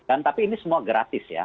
dan tapi ini semua gratis ya